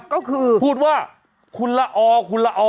ก็คือพูดว่าคุณละออคุณละออ